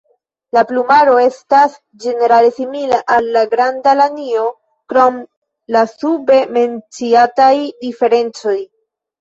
La plumaro estas ĝenerale simila al la Granda lanio krom la sube menciataj diferencoj.